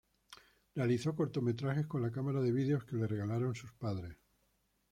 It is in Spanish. Realizó cortometrajes con la cámara de vídeo que le regalaron sus padres.